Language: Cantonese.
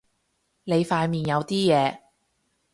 你塊面有啲嘢